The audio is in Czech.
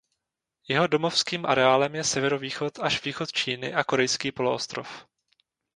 Jeho domovským areálem je severovýchod až východ Číny a Korejský poloostrov.